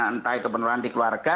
entah itu penularan di keluarga